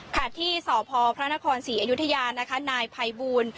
ค่ะที่สพพระนครศรีอยุธยานะคะนายภัยบูล